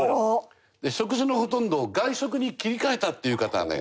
で食事のほとんどを外食に切り替えたという方がね